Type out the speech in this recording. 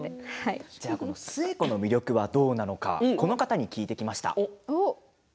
寿恵子の魅力はどうなのか聞いてきました。